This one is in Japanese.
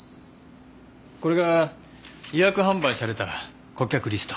これが予約販売された顧客リスト。